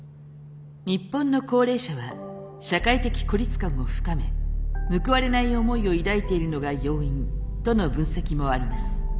日本の高齢者は社会的孤立感を深め報われない思いを抱いているのが要因との分析もあります。